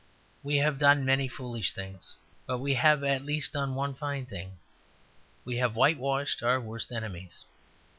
We have done many foolish things, but we have at least done one fine thing; we have whitewashed our worst enemies.